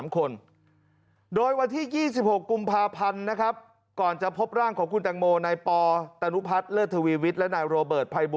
ขณะนี้๕คนบนเรือ